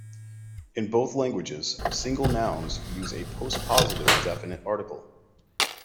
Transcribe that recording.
In both languages, single nouns use a postpositive definite article.